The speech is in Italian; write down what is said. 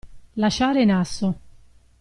Lasciare in asso.